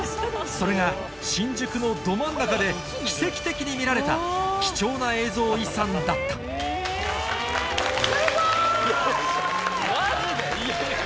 それが新宿のど真ん中で奇跡的に見られた貴重な映像遺産だったよっしゃ！